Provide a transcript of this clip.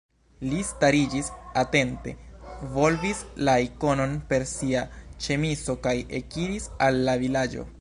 Li stariĝis, atente volvis la ikonon per sia ĉemizo kaj ekiris al la vilaĝo.